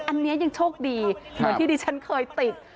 อันนี้ยังโชคดีเหมือนที่ดิฉันเคยติด